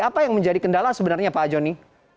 apa yang menjadi kendala sebenarnya pak joni